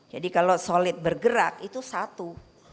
jadi kalau solid bergerak itu satu